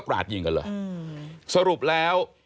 ราดยิงกันเลยสรุปแล้ว